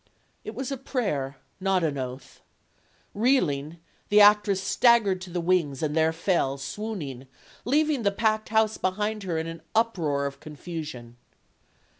It was a prayer, not an oath. Reeling, the actress staggered to the wings, and there fell, swooning, leav ing the packed house behind her in an uproar of confusion.